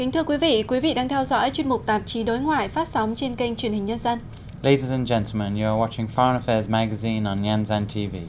thưa quý vị quý vị đang theo dõi chuyên mục tạp chí đối ngoại phát sóng trên kênh truyền hình nhân dân